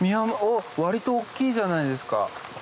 割と大っきいじゃないですか。